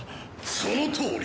そのとおり！